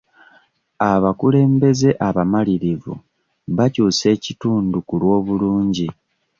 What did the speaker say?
Abakulembeze abamalirivu bakyuusa ekitundu ku lw'obulungi.